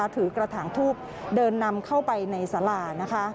ถือกระถางทูบเดินนำเข้าไปในสารา